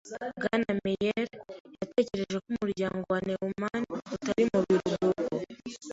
Bwana Meier yatekereje ko umuryango wa Neumann utari mu biruhuko.